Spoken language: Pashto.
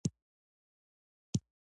د ښارونډۍ لمن پراخه شوې وه